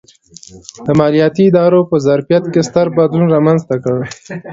د مالیاتي ادارو په ظرفیت کې ستر بدلون رامنځته کړ.